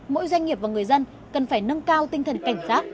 mỗi doanh nghiệp và người dân cần phải nâng cao tinh thần cảnh giác